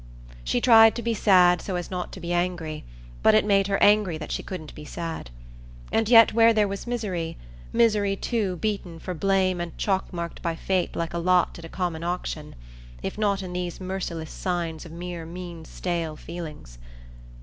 She tried to be sad so as not to be angry, but it made her angry that she couldn't be sad. And yet where was misery, misery too beaten for blame and chalk marked by fate like a "lot" at a common auction, if not in these merciless signs of mere mean stale feelings?